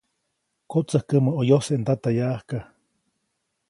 Kotsäjkäʼmä ʼo yojse ndata yaʼajka.